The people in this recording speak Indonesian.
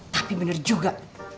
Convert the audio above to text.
tapi bener juga